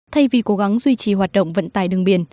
thay vì cố gắng duy trì hoạt động vận tải đường biển